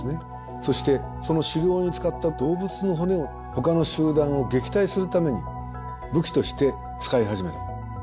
そしてその狩猟に使った動物の骨をほかの集団を撃退するために武器として使い始めた。